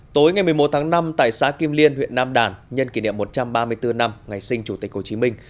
tối ngày một mươi một tháng năm tại xã kim liên huyện nam đản nhân kỷ niệm một trăm ba mươi bốn năm ngày sinh chủ tịch hồ chí minh